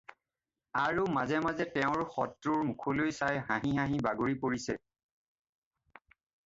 আৰু মাজে মাজে তেওঁৰ শত্ৰুৰ মুখলৈ চাই হাঁহি হাঁহি বাগৰি পৰিছে।